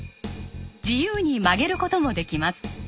自由に曲げる事もできます。